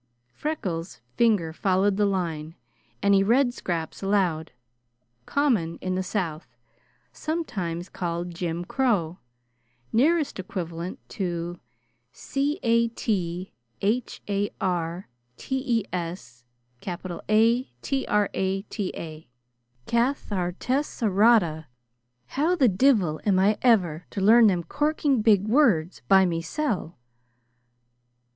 Freckles' finger followed the line, and he read scraps aloud. "'Common in the South. Sometimes called Jim Crow. Nearest equivalent to C a t h a r t e s A t r a t a.'" "How the divil am I ever to learn them corkin' big words by mesel'?"